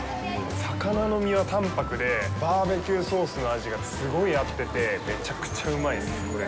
魚の身は淡白で、バーベキューソースの味がすごい合ってて、めちゃくちゃうまいですね。